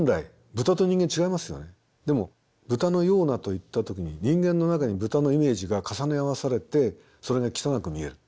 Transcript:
でも豚のようなと言った時に人間の中に豚のイメージが重ね合わされてそれが汚く見える。